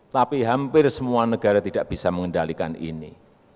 tapi hampir semua negara tidak bisa mengendalikan ini